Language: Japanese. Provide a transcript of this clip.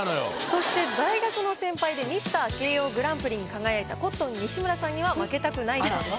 そして大学の先輩でミスター慶應グランプリに輝いたコットン西村さんには負けたくないそうです。